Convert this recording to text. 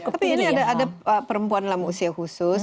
tapi ini ada perempuan dalam usia khusus